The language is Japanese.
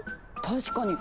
確かに！